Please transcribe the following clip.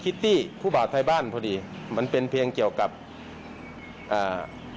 ิตตี้ผู้บาทไทยบ้านพอดีมันเป็นเพียงเกี่ยวกับอ่า